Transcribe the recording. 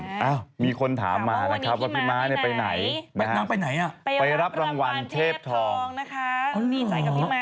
ครับผมมีคนถามมานะครับว่าพี่ม้าไปไหนนะครับไปรับรางวัลเทพทองนะครับนี่ใส่กับพี่ม้ากันด้วย